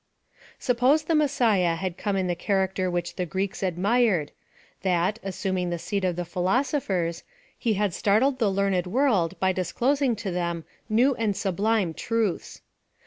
Suppose tlie Messiah had come in the charactei which the Greeks admired — that, assuming the seat of the philosophers, he had startled the learned world by disclosing to them new and sublime truths.